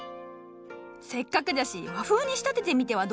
せっかくじゃし和風に仕立ててみてはどうじゃ？